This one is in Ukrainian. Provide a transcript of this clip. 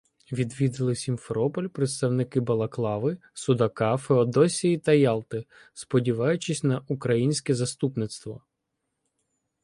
Відвідали Сімферополь представники Балаклави, Судака, Феодосії та Ялти, сподіваючись на українське заступництво.